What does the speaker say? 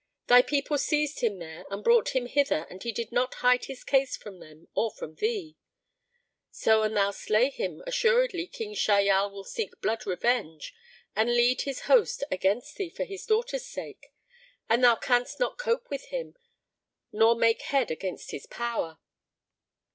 Thy people seized him there and brought him hither and he did not hide his case from them or from thee. So an thou slay him, assuredly King Shahyal will seek blood revenge and lead his host against thee for his daughter's sake, and thou canst not cope with him nor make head against his power."